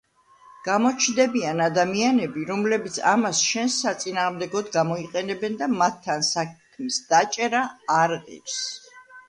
გამოჩნდებიან ადამიანები, რომლებიც ამას შენს საწინააღმდეგოდ გამოიყენებენ და მათთან საქმის დაჭერა არ ღირს".